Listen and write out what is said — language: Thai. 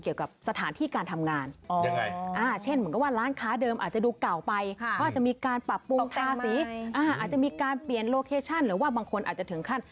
อย่าไปมองขาขาใหญ่ไม่ใช่ขาโต๊ะสนุกเกอร์